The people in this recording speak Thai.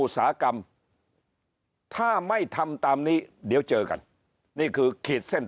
อุตสาหกรรมถ้าไม่ทำตามนี้เดี๋ยวเจอกันนี่คือขีดเส้น